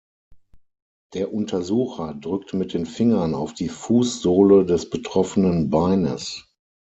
Der Untersucher drückt mit den Fingern auf die Fußsohle des betroffenen Beines.